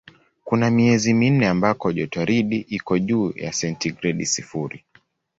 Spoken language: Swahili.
Kuna miezi minne ambako jotoridi iko juu ya sentigredi sifuri.